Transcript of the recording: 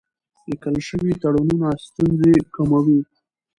لیکل شوي تړونونه ستونزې کموي.